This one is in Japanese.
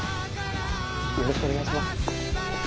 よろしくお願いします。